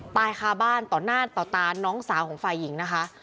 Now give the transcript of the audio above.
ตายคาบ้านต่อหน้าต่อตาน้องสาวของฝ่ายหญิงนะคะ